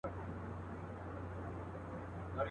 دا لومي د شیطان دي، وسوسې دي چي راځي.